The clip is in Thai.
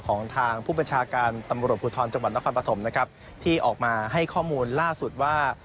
ของทางผู้บัญชาการตำรวจสพมคปฐมที่ออกมาให้ข้อมูลล่าสุดว่า